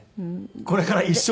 これから一生。